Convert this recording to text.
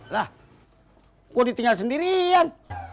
lah gue ditinggal sendirian